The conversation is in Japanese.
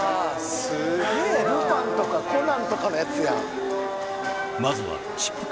すげえなルパンとかコナンとかのやつやん